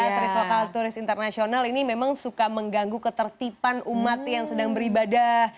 turis lokal turis internasional ini memang suka mengganggu ketertiban umat yang sedang beribadah